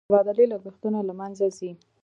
د تبادلې لګښتونه له منځه ځي.